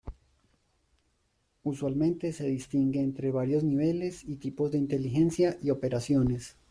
Usualmente se distingue entre varios niveles y tipos de inteligencia y operaciones.